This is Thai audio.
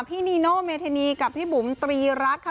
นีโนเมธานีกับพี่บุ๋มตรีรักค่ะ